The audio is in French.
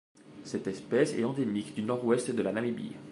Cette espèce est endémique du Nord-Ouest de la Namibie.